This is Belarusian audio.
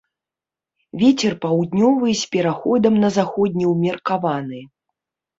Вецер паўднёвы з пераходам на заходні ўмеркаваны.